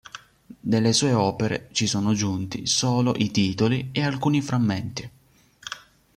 Delle sue opere ci sono giunti solo i titoli e alcuni frammenti.